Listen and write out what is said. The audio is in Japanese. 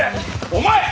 お前！